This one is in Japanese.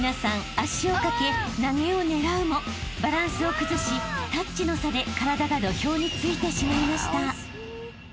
足をかけ投げを狙うもバランスを崩しタッチの差で体が土俵についてしまいました］